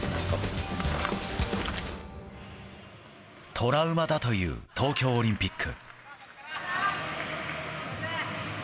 トラウマだという東京オリンピック。